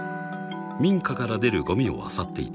［民家から出るごみをあさっていた］